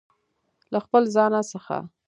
له خپل ځانه څخه